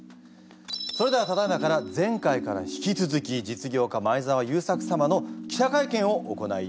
それではただいまから前回から引き続き実業家前澤友作様の記者会見を行います。